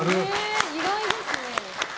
意外ですね。